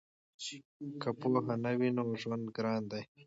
که پوهه نه وي نو ژوند ګران دی.